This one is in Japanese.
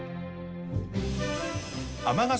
尼崎